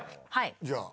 じゃあ。